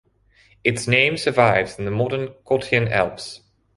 Its name survives in the modern Cottian Alps.